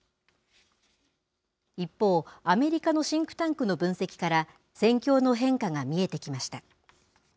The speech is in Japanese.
一方、アメリカのシンクタンクの分析から、戦況の変化が見えてきました。